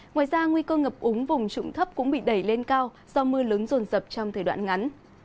ngoài ra nguy cơ ngập úng vùng trụng thấp cũng bị đẩy lên cao do mưa lớn rồn rập trong thời đoạn ngắn